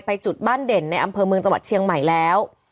จุดบ้านเด่นในอำเภอเมืองจังหวัดเชียงใหม่แล้ว